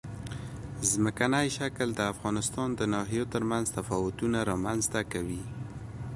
ځمکنی شکل د افغانستان د ناحیو ترمنځ تفاوتونه رامنځ ته کوي.